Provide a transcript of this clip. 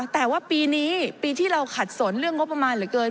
แต่ว่าปีนี้ปีที่เราขัดสนเรื่องงบประมาณเหลือเกิน